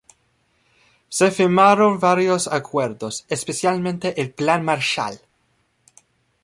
Se firmaron varios acuerdos, especialmente el Plan Marshall.